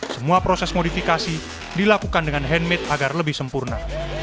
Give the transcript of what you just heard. semua proses modifikasi dilakukan dengan handmade agar lebih sempurna